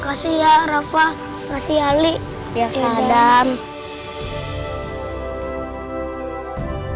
kasih ya rafa kasih ali biar kadang